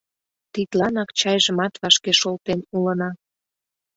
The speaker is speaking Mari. Тидланак чайжымат вашке шолтен улына...